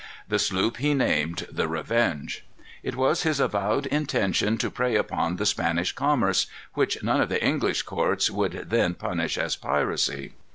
The sloop he named the Revenge. It was his avowed intention to prey upon the Spanish commerce, which none of the English courts would then punish as piracy.